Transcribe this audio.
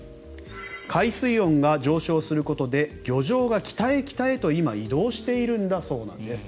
海水温が上昇することで漁場が北へ北へと今、移動しているんだそうです。